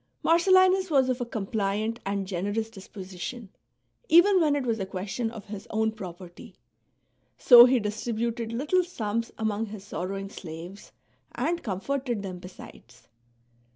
Mar cellinus was of a compliant and generous disposition, even when it was a question of his own propert}' ; so he distributed little sums among his sorrowing slaves, and comforted them besides.